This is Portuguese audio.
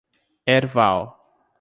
Herval